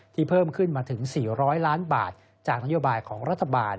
เพิ่มขึ้นมาถึง๔๐๐ล้านบาทจากนโยบายของรัฐบาล